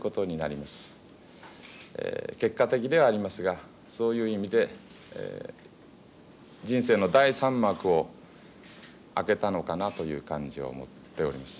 結果的ではありますがそういう意味で人生の第三幕を開けたのかなという感じを持っております。